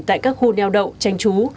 tại các khu nheo đậu tranh trú